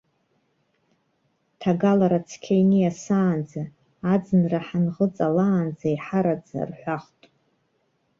Ҭагалара цқьа иниасаанӡа, аӡынра ҳанӷыҵалаанӡа иҳараӡа, рҳәахт.